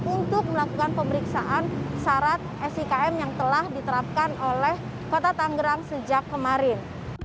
untuk melakukan pemeriksaan syarat sikm yang telah diterapkan oleh kota tanggerang sejak kemarin